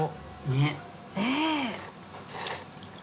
ねえ。